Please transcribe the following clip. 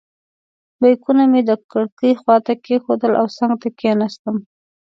بیکونه مې د کړکۍ خواته کېښودل او څنګ ته کېناستم.